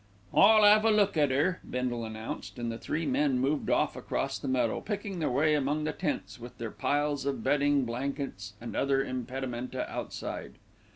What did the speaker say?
"I'll 'ave a look at 'er," Bindle announced, and the three men moved off across the meadow, picking their way among the tents with their piles of bedding, blankets, and other impedimenta outside.